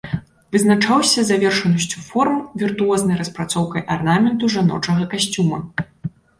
Вызначаўся завершанасцю форм, віртуознай распрацоўкай арнаменту жаночага касцюма.